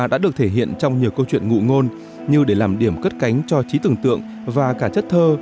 đã được thể hiện trong nhiều câu chuyện ngụ ngôn như để làm điểm cất cánh cho trí tưởng tượng và cả chất thơ